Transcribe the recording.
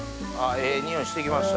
ええ匂いしてきました。